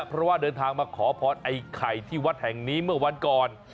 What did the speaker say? เพราะว่าเดินทางมาขอพรไอ้ไข่ที่วัดแห่งนี้เมื่อวันก่อน